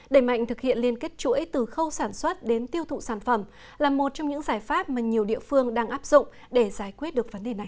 đẩy mạnh thực hiện liên kết chuỗi từ khâu sản xuất đến tiêu thụ sản phẩm là một trong những giải pháp mà nhiều địa phương đang áp dụng để giải quyết được vấn đề này